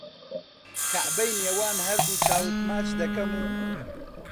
کەعبەی نێوان هەردوو چاوت ماچ دەکەم و